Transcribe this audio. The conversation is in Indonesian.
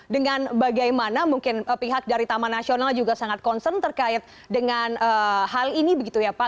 dengan bagaimana mungkin pihak dari taman nasional juga sangat concern terkait dengan hal ini begitu ya pak